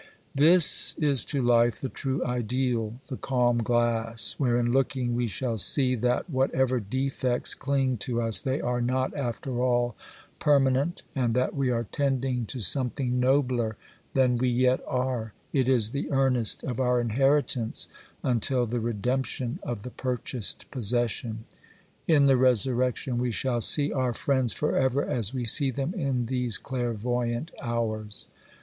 This is to life the true ideal, the calm glass, wherein looking, we shall see, that, whatever defects cling to us, they are not, after all, permanent, and that we are tending to something nobler than we yet are;—it is 'the earnest of our inheritance until the redemption of the purchased possession.' In the resurrection we shall see our friends for ever as we see them in these clairvoyant hours.